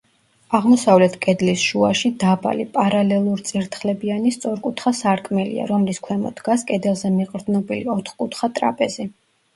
აღმოსავლეთ კედლის შუაში დაბალი, პარალელურწირთხლებიანი, სწორკუთხა სარკმელია, რომლის ქვემოთ დგას კედელზე მიყრდნობილი, ოთხკუთხა ტრაპეზი.